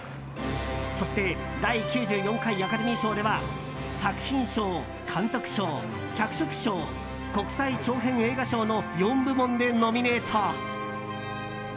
そして第９４回アカデミー賞では作品賞、監督賞、脚色賞国際長編映画賞の４部門でノミネート。